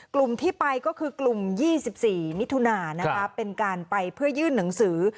กลุ่มที่ไปก็คือกลุ่ม๒๔มิถุนานะคะเป็นการไปเพื่อยื่นหนังสือ